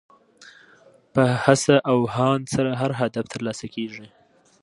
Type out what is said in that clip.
په هڅه او هاند سره هر هدف ترلاسه کېږي.